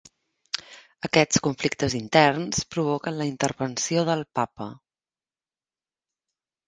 Aquests conflictes interns provoquen la intervenció del Papa.